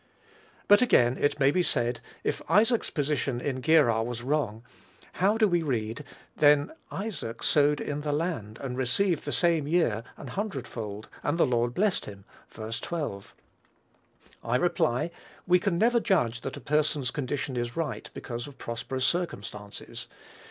But again it may be said, if Isaac's position in Gerar was wrong, how do we read, "Then Isaac sowed in that land, and received the same year an hundred fold: and the Lord blessed him." (Ver. 12.) I reply, we can never judge that a person's condition is right because of prosperous circumstances.